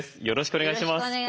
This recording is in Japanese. よろしくお願いします。